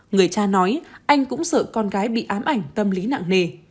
người cha nói anh cũng sợ con gái bị ám ảnh tâm lý nặng nề